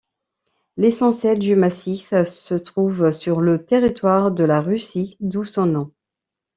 L'essentiel du massif se trouve sur le territoire de la Russie, d'où son nom.